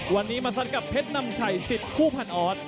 วันนี้มาสร้างกับเพชรนำชัย๑๐๐๐๐บาท